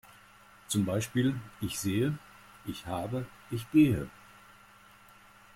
Zum Beispiel: Ich sehe, ich habe, ich gehe.